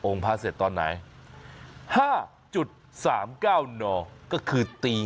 องค์พระเสร็จตอนไหน๕๓๙นก็คือตี๕๓๙น